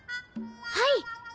はい！